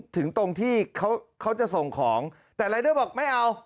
ถึงตรงที่เขาจะส่งของแต่รายเดอร์บอกไม่เอา